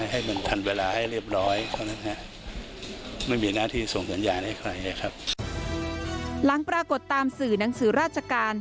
หลังปรากฏตามสื่อหนังสือราชการ